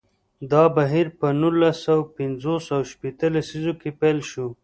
دا بهیر په نولس سوه پنځوس او شپیته لسیزو کې پیل شو.